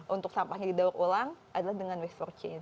untuk sampahnya didorong ulang adalah dengan waste for change